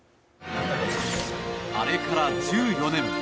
あれから１４年。